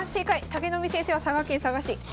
武富先生は佐賀県佐賀市。